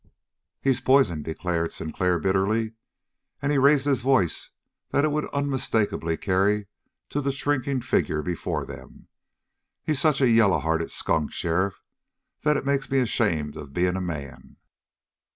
"He's poison," declared Sinclair bitterly, and he raised his voice that it would unmistakably carry to the shrinking figure before them. "He's such a yaller hearted skunk, sheriff, that it makes me ashamed of bein' a man!"